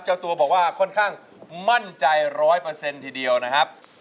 เจ้าตัวบอกว่าค่อนข้างมั่นใจร้อยเปอร์เซ็นต์ทีเดียวนะครับ